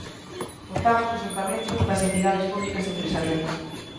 Votamos os orzamentos das entidades públicas empresariais.